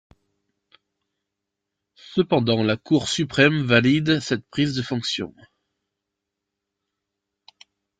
Cependant, la Cour suprême valide cette prise de fonction.